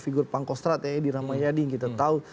figur pangkostrat yedi rahmayadi kita tahu